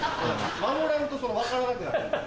守らんと分からなくなるんで。